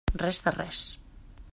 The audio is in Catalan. Res de res.